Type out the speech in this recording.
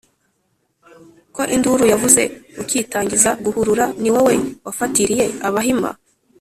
Ko induru yavuze ukitangiza guhurura, ni wowe wafatiliye Abahima?